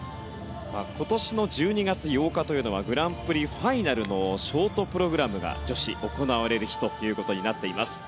今年の１２月８日というのはグランプリファイナルのショートプログラムが女子行われる日となっています。